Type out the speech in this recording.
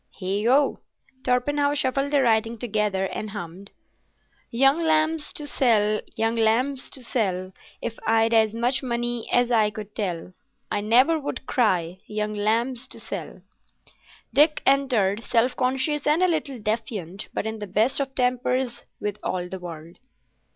Heigho!" Torpenhow shuffled the writing together and hummed— Young lambs to sell, young lambs to sell, If I'd as much money as I could tell, I never would cry, Young lambs to sell! Dick entered, self conscious and a little defiant, but in the best of tempers with all the world.